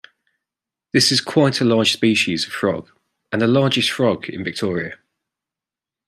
This is quite a large species of frog and the largest frog in Victoria.